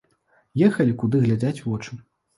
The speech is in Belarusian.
Ехалі куды глядзяць вочы.